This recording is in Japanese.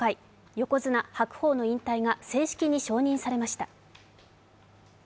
横綱・白鵬の引退が正式に承認されました。